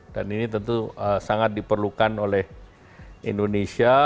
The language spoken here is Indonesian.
dan ini tentu sangat diperlukan oleh indonesia